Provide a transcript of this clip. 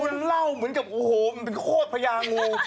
คือเล่าเหมือนกับคดพระยางู